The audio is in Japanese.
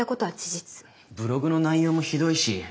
ブログの内容もひどいし。